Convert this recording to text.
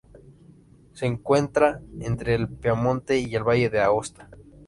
Se encuentran entre el Piamonte y el Valle de Aosta.